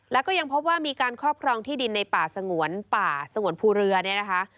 แล้วก็ยังพบว่ามีการครอบครองที่ดินในป่าสงวนป่าสงวนภูเรือเนี่ยนะคะ